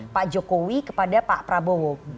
pak jokowi kepada pak prabowo